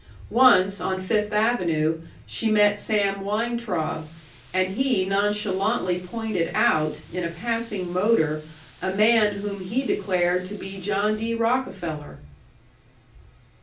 Once, on Fifth Avenue, she met Sam Weintraub, and he nonchalantly pointed out, in a passing motor, a man whom he declared to be John D. Rockefeller.